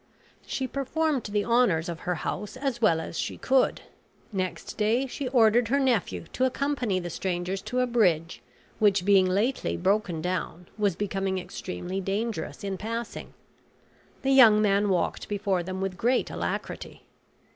She performed the honors of her house as well as she could. Next day, she ordered her nephew to accompany the strangers to a bridge, which being lately broken down, was become extremely dangerous in passing. The young man walked before them with great alacrity.